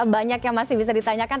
banyak yang masih bisa ditanyakan